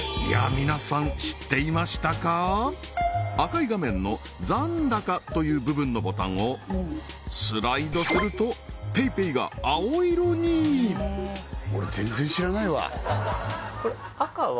皆さん赤い画面の「残高」という部分のボタンをスライドするとＰａｙＰａｙが青色に俺全然知らないわこれ赤は